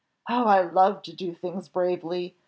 Oh, I love to do things bravely!